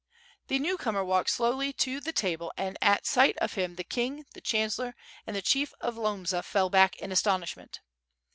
The newcomer walked slowly to the table and at sight of him the king, the chancellor, and the chief of Lomza, fell back in astonishment.